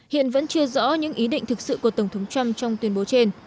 hiện vẫn chưa rõ những ý định thực sự của tổng thống trump trong tuyên bố trên